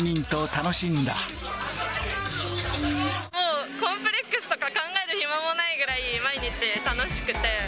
もう、コンプレックスとか考える暇もないぐらい、毎日楽しくて。